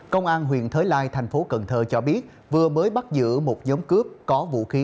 công an huyện thới lai tp cn cho biết vừa mới bắt giữ một nhóm cướp có vũ khí